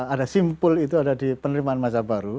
ada simpul itu ada di penerimaan masa baru